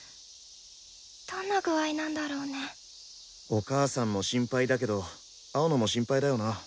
お母さんも心配だけど青野も心配だよな。